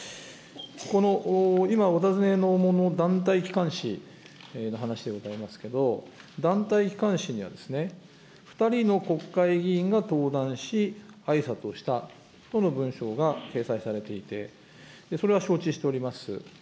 この、今お尋ねのもの、団体機関誌の話でございますけれども、団体機関誌には２人の国会議員が登壇し、あいさつをしたとの文章が掲載されていて、それは承知しております。